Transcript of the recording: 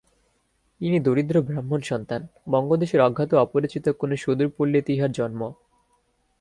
ইনি দরিদ্রব্রাহ্মণ-সন্তান, বঙ্গদেশের অজ্ঞাত অপরিচিত কোন সুদূর পল্লীতে ইঁহার জন্ম।